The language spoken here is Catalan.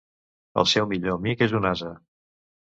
El seu millor amic és un ase.